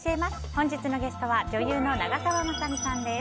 本日のゲストは女優の長澤まさみさんです。